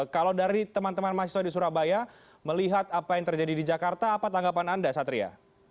kalau dari teman teman mahasiswa di surabaya melihat apa yang terjadi di jakarta apa tanggapan anda satria